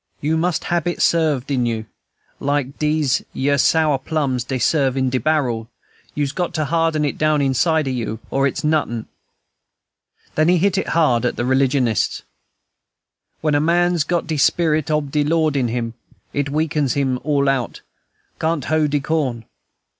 You must hab it 'served [preserved] in you, like dese yer sour plums dey 'serve in de barr'l; you's got to harden it down inside o' you, or it's notin'." Then he hit hard at the religionists: "When a man's got de sperit ob de Lord in him, it weakens him all out, can't hoe de corn."